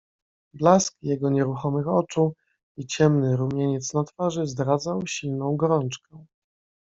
"Blask jego nieruchomych oczu i ciemny rumieniec na twarzy zdradzał silną gorączkę."